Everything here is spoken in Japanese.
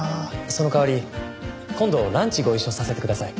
その代わり今度ランチご一緒させてください。